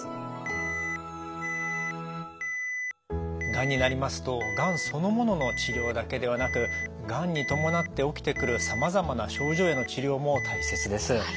がんになりますとがんそのものの治療だけではなくがんに伴って起きてくるさまざまな症状への治療も大切です。